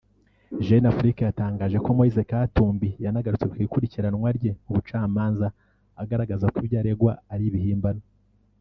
Jeune Afrique yatangaje ko Moïse Katumbi yanagarutse ku ikurikiranwa rye mu bucamanza agaragaza ko ibyo aregwa ari ibihimbano